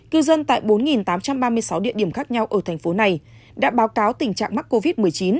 cư dân tại bốn tám trăm ba mươi sáu địa điểm khác nhau ở thành phố này đã báo cáo tình trạng mắc covid một mươi chín